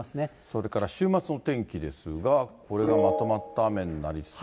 それから週末の天気ですが、これがまとまった雨になりそう。